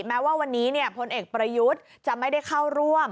แม้ว่าวันนี้พลเอกประยุทธ์จะไม่ได้เข้าร่วม